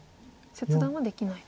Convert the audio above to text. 切断はできないと。